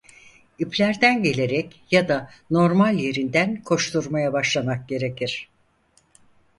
İplerden gelerek ya da normal yerinden koşturmaya başlamak gerekir.